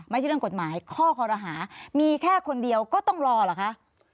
ไม่ใช่เรื่องกฎหมายข้อคอรหามีแค่คนเดียวก็ต้องรอเหรอคะ